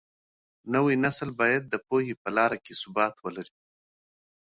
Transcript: نوی نسل بايد د پوهي په لاره کي ثبات ولري.